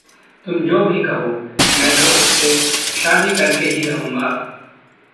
तुम जो भी कहो, मैं तो उससे शादी कर के ही रहूँगा।